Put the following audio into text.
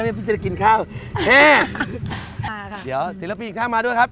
จะได้กินข้าวแฮะค่ะเดี๋ยวศิลปีอีกท่ามาด้วยครับ